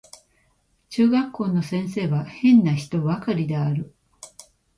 中学校の先生は変な人ばかりである